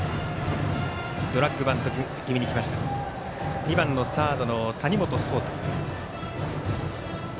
ドラッグバント気味にきました、２番の谷本颯太。